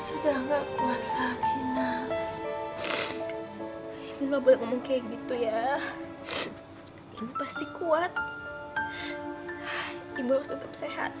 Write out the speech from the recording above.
sudah nggak kuat lagi nak ibu nggak boleh ngomong kayak gitu ya ibu pasti kuat ibu harus tetap sehat